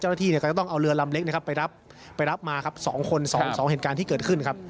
เจ้าหน้าที่ก็ต้องเอาเรือลำเล็กไปรับมา๒เหตุการณ์ที่เกิดขึ้นครับ